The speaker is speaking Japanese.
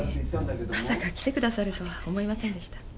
まさか来てくださるとは思いませんでした。